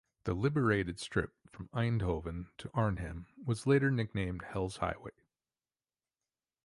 The liberated strip from Eindhoven to Arnhem was later nicknamed Hell's Highway.